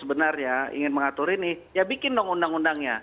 sebenarnya ingin mengatur ini ya bikin dong undang undangnya